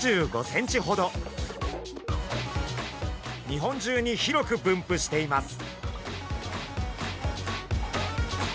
日本中に広く分布しています。